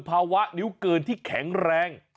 ภาวะนิ้วเกินที่แข็งแรง